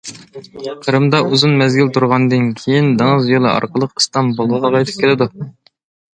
قىرىمدا ئۇزۇن مەزگىل تۇرغاندىن كېيىن دېڭىز يولى ئارقىلىق ئىستانبۇلغا قايتىپ كېلىدۇ.